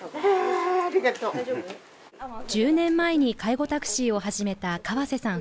１０年前に介護タクシーを始めた河瀬さん